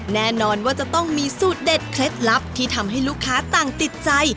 แน่นอนว่าจะต้องมีสูตรเด็ดเคล็ดลับที่ทำให้ลูกค้าต่างติดใจ